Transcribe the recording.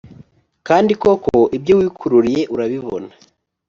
Kandi koko ibyo wikururiye urabibona